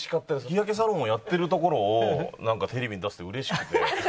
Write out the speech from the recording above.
日焼けサロンをやってるところをテレビに出せて嬉しくて。